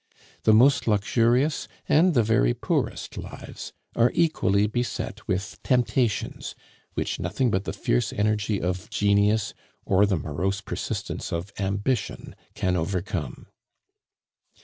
The most luxurious and the very poorest lives are equally beset with temptations which nothing but the fierce energy of genius or the morose persistence of ambition can overcome.